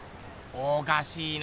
おかしいな。